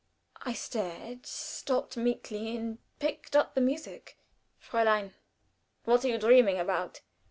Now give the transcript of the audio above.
I stared, stooped meekly, and picked up the music. "Fräulein, what are you dreaming about?"